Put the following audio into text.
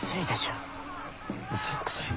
うさんくさい。